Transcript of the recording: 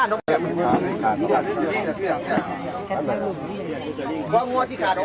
กูจับเพิ่ม